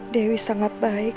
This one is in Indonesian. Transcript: dewi sangat baik